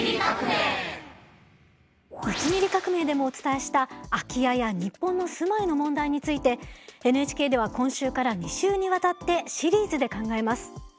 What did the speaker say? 「１ミリ革命」でもお伝えした空き家や日本の住まいの問題についてＮＨＫでは今週から２週にわたってシリーズで考えます。